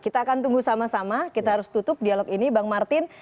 kita akan tunggu sama sama kita harus tutup dialog ini bang martin